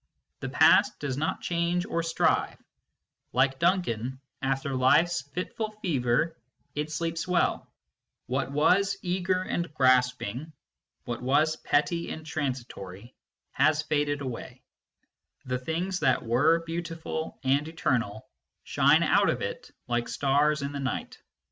The Past does not change or strive ; like Duncan, after life s fitful fever it sleeps well ; what was eager and grasping, what was petty and transitory, has faded away, the things that were beautiful and eternal shine out of it like stars in the night.